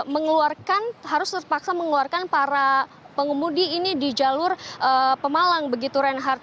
mengeluarkan harus terpaksa mengeluarkan para pengemudi ini di jalur pemalang begitu reinhardt